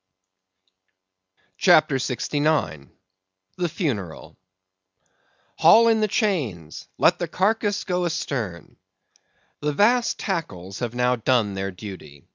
CHAPTER 69. The Funeral. "Haul in the chains! Let the carcase go astern!" The vast tackles have now done their duty.